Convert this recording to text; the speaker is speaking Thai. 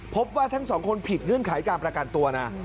พบว่าทั้งสองคนผิดเงื่อนไขการประกันตัวนะ